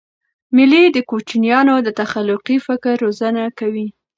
مېلې د کوچنيانو د تخلیقي فکر روزنه کوي.